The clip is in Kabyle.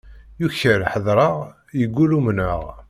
Yuker ḥedṛeɣ, yeggul umneɣ.